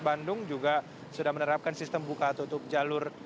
bandung juga sudah menerapkan sistem buka tutup jalur